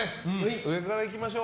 上からいきましょう。